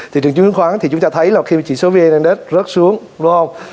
thị trường chứng khoán thì chúng ta thấy là khi chỉ số vnnx rớt xuống đúng không